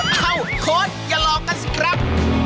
เอ้าโค้ดอย่าหลอกกันสิครับ